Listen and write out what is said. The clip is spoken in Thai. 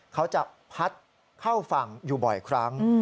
เขาจะพัดเข้าฝั่งอยู่บ่อยครั้ง